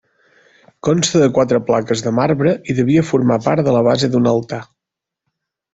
Consta de quatre plaques de marbre i devia formar part de la base d'un altar.